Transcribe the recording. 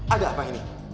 ada apa ini